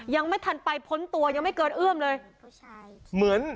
ยังไม่ทันไปพ้นตัวยังไม่เกินอื้อมเลย